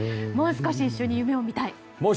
もう少し一緒に夢を見たい。